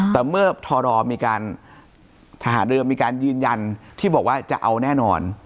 แต่เมื่อทรมีการทหารเรือมีการยืนยันที่บอกว่าจะเอาแน่นอน